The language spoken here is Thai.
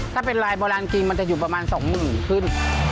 ถ้าเป็นลายโบราณจริงมันจะอยู่ประมาณ๒๐๐๐ขึ้น